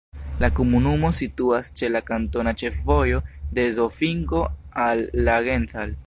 La komunumo situas ĉe la kantona ĉefvojo de Zofingo al Langenthal.